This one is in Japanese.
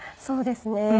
そうですね。